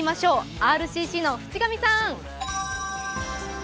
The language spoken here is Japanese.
ＲＣＣの渕上さん！